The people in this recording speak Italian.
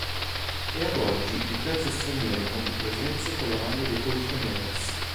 È ad oggi il terzo straniero con più presenze con la maglia dei "Colchoneros".